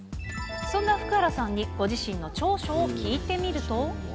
そんな福原さんにご自身の長所を聞いてみると。